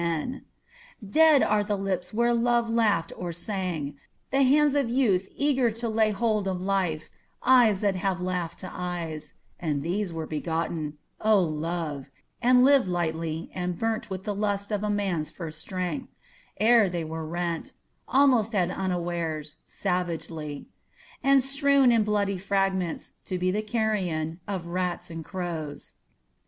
POETS MILITANT 271 Dead are the lips where love laughed or sang, The hands of youth eager to lay hold of life, Eyes that have laughed to eyes, And these were begotten, O Love, and lived lightly, and burnt With the lust of a man's first strength : ere they were rent, Almost at unawares, savagely ; and strewn In bloody fragments, to be the carrion Of rats and crows.